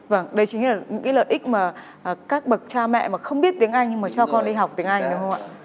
vâng đấy chính là những lợi ích mà các bậc cha mẹ mà không biết tiếng anh mà cho con đi học tiếng anh đúng không ạ